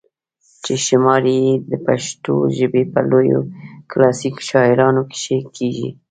چې شمار ئې د پښتو ژبې پۀ لويو کلاسيکي شاعرانو کښې کيږي